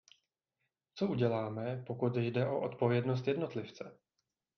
Co uděláme, pokud jde o odpovědnost jednotlivce?